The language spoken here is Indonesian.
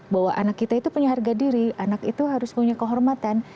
bahwa anak kita itu punya harga diri anak itu harus punya kehormatan